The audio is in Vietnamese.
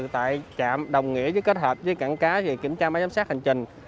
tại trạm đồng nghĩa với kết hợp với cảng cá về kiểm tra máy giám sát hành trình